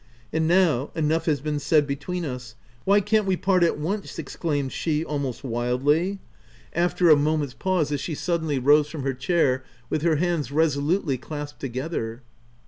And now, enough has been said between us. — Why can't we part at once I" exclaimed she almost wildly, after a 150 THE TENANT moment's pause, as she suddenly rose from her chair with her hands resolutely clasped together.